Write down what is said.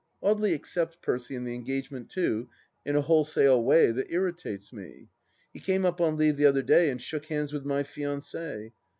Audely accepts Percy and the engagement, too, in a wholesale way that irritates me. He came up on leave the other day and shook hands with my fianci.